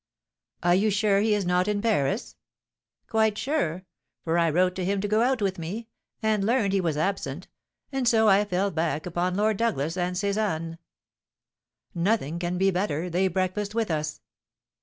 "Are you sure he is not in Paris?" "Quite sure; for I wrote to him to go out with me, and learned he was absent; and so I fell back upon Lord Douglas, and Sézannes." "Nothing can be better; they breakfast with us."